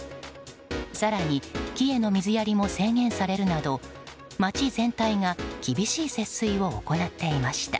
更に、木への水やりも制限されるなど町全体が厳しい節水を行っていました。